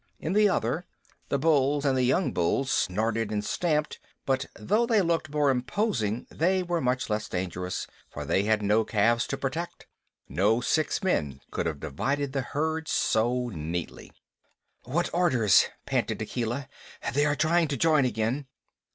In the other, the bulls and the young bulls snorted and stamped, but though they looked more imposing they were much less dangerous, for they had no calves to protect. No six men could have divided the herd so neatly. "What orders!" panted Akela. "They are trying to join again."